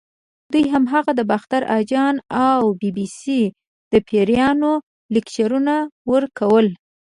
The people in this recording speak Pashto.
دوی هماغه د باختر اجان او بي بي سۍ د پیریانو لیکچرونه ورکول.